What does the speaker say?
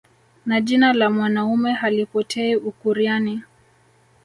Na jina la mwanaume halipotei ukuryani